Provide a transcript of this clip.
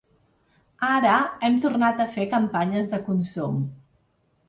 Ara hem tornat a fer campanyes de consum.